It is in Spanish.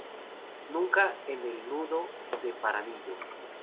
Nace en el Nudo de Paramillo.